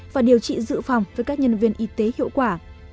và điều trị dự phòng với các nhân viên y tế hiệu quả